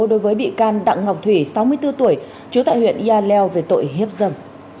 đối với bị can đặng ngọc thủy sáu mươi bốn tuổi chú tại huyện yaleo về tội hiếp dầm